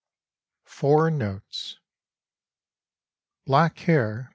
62 FOUR NOTES, Black Hair (p.